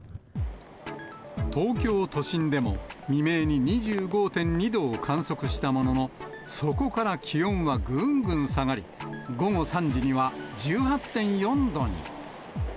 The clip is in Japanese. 東京都心でも、未明に２５．２度を観測したものの、そこから気温はぐんぐん下がり、午後３時には１８．４度に。